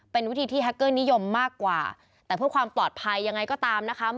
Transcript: เป็นวิธีที่แฮคเกอร์นิยมมากกว่าแต่เพื่อความปลอดภัยยังไงก็ตามนะคะ